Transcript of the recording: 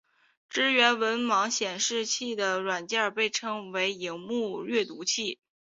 支援盲文显示机的软件被称为萤幕阅读器。